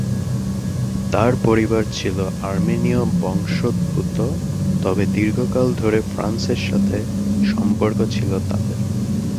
তার পরিবার ছিলো আর্মেনীয় বংশোদ্ভুত, তবে দীর্ঘকাল ধরে ফ্রান্সের সাথে সম্পর্ক ছিলো তাদের।